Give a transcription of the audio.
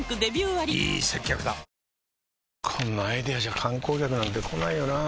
こんなアイデアじゃ観光客なんて来ないよなあ